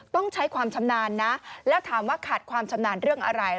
ต้องใช้ความชำนาญนะแล้วถามว่าขาดความชำนาญเรื่องอะไร